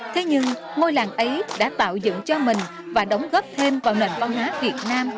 thế nhưng ngôi làng ấy đã tạo dựng cho mình và đóng góp thêm vào nền văn hóa việt nam